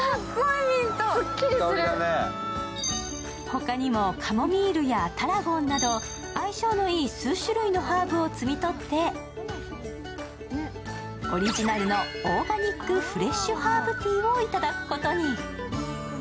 他にもカモミールやタラゴンなど、相性のいい数種類のハーブを摘み取ってオリジナルのオーガニックフレッシュハーブティーを頂くことに。